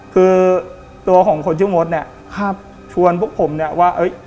คือตัวของคนชื่อมดเนี่ยชวนพวกผมเนี่ยว่า